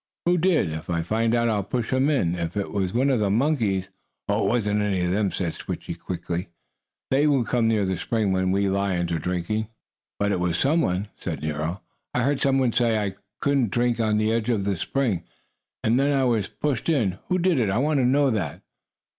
"Who did? If I find out, I'll push him in! If it was one of the monkeys " "Oh, it wasn't any of them," said Switchie quickly. "They won't come near the spring when we lions are drinking." "But it was some one!" said Nero. "I heard some one say I couldn't drink on his edge of the spring, and then I was pushed in. Who did it? I want to know that!"